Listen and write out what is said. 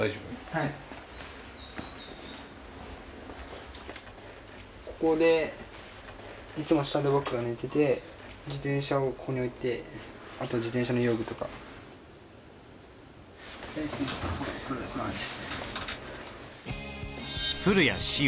はいここでいつも下で僕が寝てて自転車をここに置いてあと自転車の用具とかでいつもこんな感じっすね